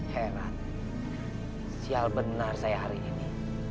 herat sial benar saya hari ini